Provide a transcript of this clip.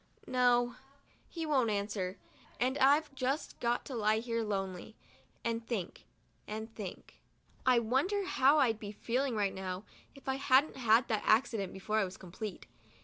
No, he won't answer — and I've just got to lie here lonely, and think, and think. I wonder how I'd be feeling now if I hadn't had that accident before I was complete.